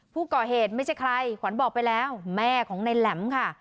ผู้ก่อเหตุไม่ใช่ใครขวัญบอกไปแล้วแม่ของในแหลมค่ะ